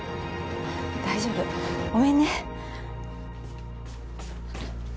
あっ大丈夫ごめんね。